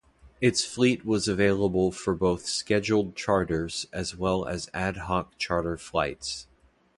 Its fleet was available for both scheduled charters as well as ad-hoc charter flights.